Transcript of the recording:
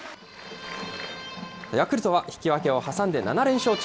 ヤクルトは引き分けを挟んで７連勝中。